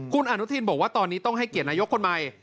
คุณอนุทินบอกว่าตอนนี้ต้องให้เกียรตินายกคนใหม่